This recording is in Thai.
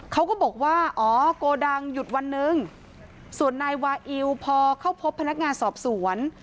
เขาก็บอกว่าอ๋อโกดังหยุดวันหนึ่งส่วนนายวาอิวพอเข้าพบพนักงานสอบสวน